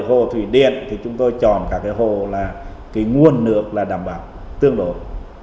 hồ thủy điện thì chúng tôi chọn cả cái hồ là cái nguồn nước là đảm bảo tương đối